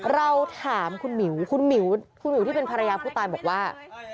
เราถามคุณหมิวคุณหมิวคุณหมิวที่เป็นภรรยาผู้ตายบอกว่า